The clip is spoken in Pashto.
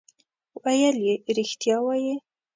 ویل یې رښتیا وایې.